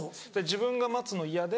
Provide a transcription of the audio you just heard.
自分が待つの嫌で。